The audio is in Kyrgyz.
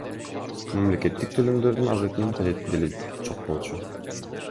Мамлекеттик төлөмдөрдү азайтуунун кажети деле жок болчу.